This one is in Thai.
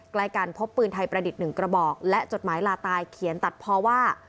ใกล้กันพบปืนไทยประดิษฐ์๑กระบอกและจดหมายลาตายเขียนตัดเพราะว่า